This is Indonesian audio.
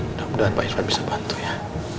mudah mudahan pak irfan bisa bantu ya